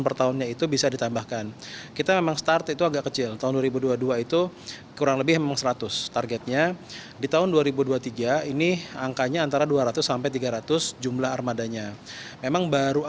pada tahun dua ribu tiga puluh